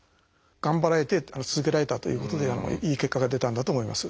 頑張られて続けられたということでいい結果が出たんだと思います。